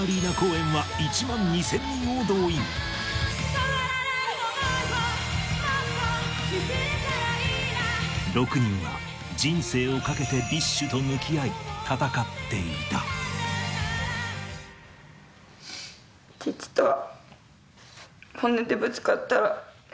変わらない思いをもっと見せれたらいいな６人は人生をかけて ＢｉＳＨ と向き合い戦っていた私は。